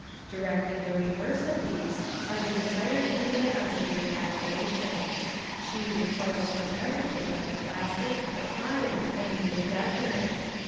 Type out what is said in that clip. Directly the reverse of these, are the desires and demands of the Imagination. She recoils from everything but the plastic, the pliant, and the indefinite.